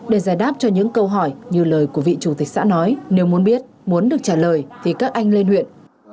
để giải đáp cho những câu hỏi như lời của vị chủ tịch xã nói nếu muốn biết muốn được trả lời thì các anh lên huyện